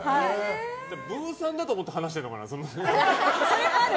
ブーさんだと思って話してるのかな。